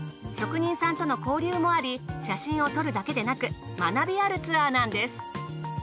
職人さんとの交流もあり写真を撮るだけでなく学びあるツアーなんです。